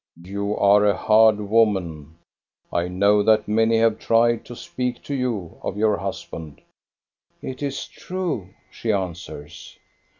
You are a hard woman. I know that many have tried to speak to you of your husband." " It is true, " she answers.